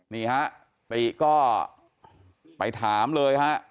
นี่ฮะติก็ไปถามเลยฮะ